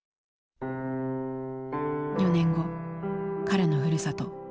４年後彼のふるさと